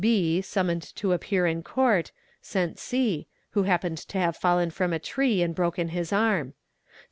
B, summoned to appear in Court, sent C, who happened to have fallen from a tree and broken his arm.